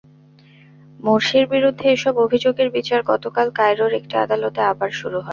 মুরসির বিরুদ্ধে এসব অভিযোগের বিচার গতকাল কায়রোর একটি আদালতে আবার শুরু হয়।